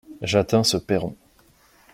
J'atteins ce perron.